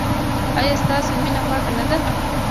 ایا ستاسو مینه پاکه نه ده؟